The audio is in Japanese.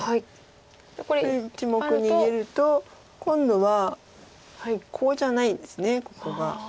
これ１目逃げると今度はコウじゃないんですここが。